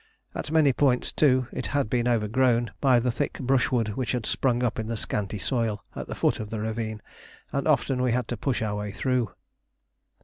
At many points, too, it had been overgrown by the thick brushwood which had sprung up in the scanty soil at the foot of the ravine, and often we had to push our way through.